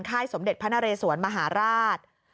ค่ายสมเด็จพระนเรศวรรษมหาราช